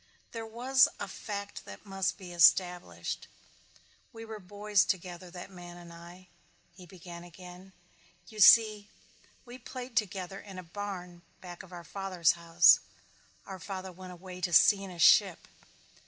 There was a fact that must be established. "We were boys together, that man and I," he began again. "You see we played together in a barn back of our father's house. Our father went away to sea in a ship.